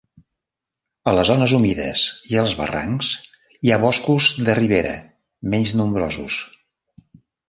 A les zones humides i als barrancs hi ha boscos de ribera, menys nombrosos.